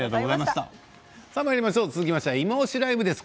続きまして「いまオシ！ＬＩＶＥ」です。